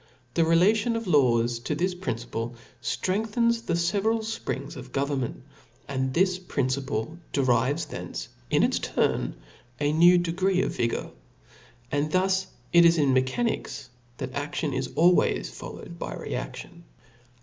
The rela tion of laws to this principle, ftrengthens the fe veral fprings of government ; and this principle derives from thence, in its turn, a new degree of vigour. And thus it is in mechanics, that aftion is always followed by rcaftion.